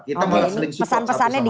kita harus saling support satu sama lain